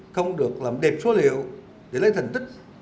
không được làm đẹp số liệu để lấy thành tích